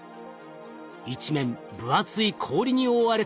一面分厚い氷に覆われています。